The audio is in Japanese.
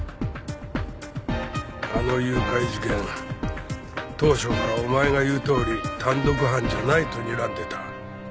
あの誘拐事件当初からお前が言うとおり単独犯じゃないとにらんでた。